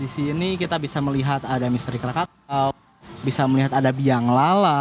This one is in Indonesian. di sini kita bisa melihat ada misteri krakatau bisa melihat ada biang lala